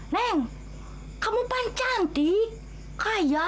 neng kamu pancantik kaya